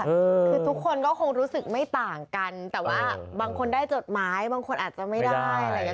คือทุกคนก็คงรู้สึกไม่ต่างกันแต่ว่าบางคนได้จดหมายบางคนอาจจะไม่ได้อะไรอย่างเง